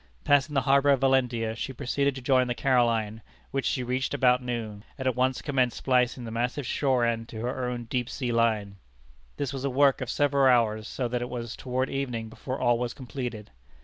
Passing the harbor of Valentia, she proceeded to join the Caroline, which she reached about noon, and at once commenced splicing the massive shore end to her own deep sea line. This was a work of several hours, so that it was toward evening before all was completed.